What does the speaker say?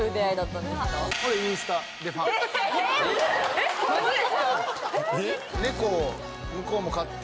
・えっマジですか？